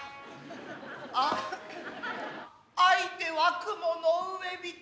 相手は雲の上人